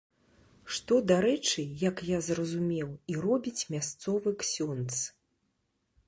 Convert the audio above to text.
Што, дарэчы, як я зразумеў, і робіць мясцовы ксёндз.